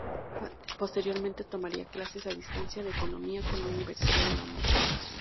Posteriormente tomaría clases a distancia de economía con la Universidad de Londres.